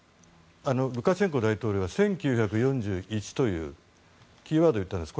ルカシェンコ大統領は１９４１というキーワードを言ったんです。